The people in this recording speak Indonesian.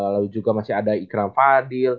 lalu juga masih ada ikram fadil